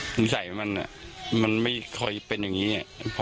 สินใจมันไม่ค่อยเป็นอย่างนี้